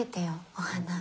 お花。